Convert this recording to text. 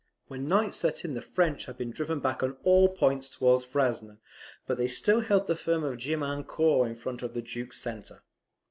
When night set in the French had been driven back on all points towards Frasne; but they still held the farm of Gemiancourt in front of the Duke's centre.